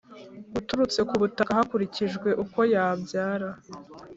uturutse ku butaka hakurikijwe uko yabyara